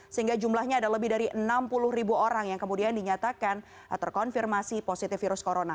sehingga jumlahnya ada lebih dari enam puluh ribu orang yang kemudian dinyatakan terkonfirmasi positif virus corona